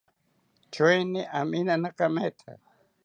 Choeni aminana kametha